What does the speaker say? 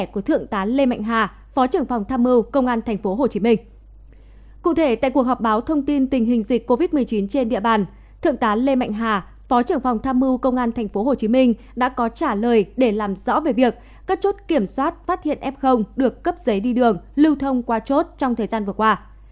cụ thể tại cuộc họp báo thông tin tình hình dịch covid một mươi chín trên địa bàn thượng tá lê mạnh hà phó trưởng phòng tham mưu công an tp hcm đã có trả lời để làm rõ về việc các chốt kiểm soát phát hiện f được cấp giấy đi đường lưu thông qua chốt trong thời gian vừa qua